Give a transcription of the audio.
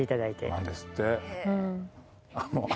なんですって。